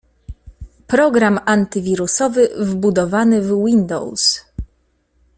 Program antywirusowy wbudowany w Windows